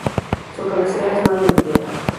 Su cabecera es Mano de Piedra.